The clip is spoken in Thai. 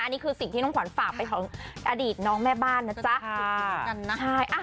อันนี้คือสิ่งที่ขวัญฝากไปของอดีตน้องแม่บ้านนะจ๊ะ